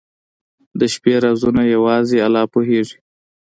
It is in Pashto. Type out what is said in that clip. • د شپې رازونه یوازې الله پوهېږي.